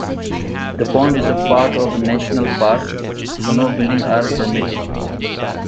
The pond is part of a national park, so no buildings are permitted.